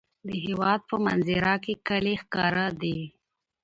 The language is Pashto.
د هېواد په منظره کې کلي ښکاره دي.